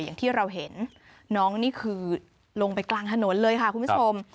อย่างที่เราเห็นน้องนี่คือลงไปกลางถนนเลยค่ะคุณผู้ชม